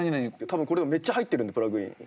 多分めっちゃ入ってるんでプラグイン。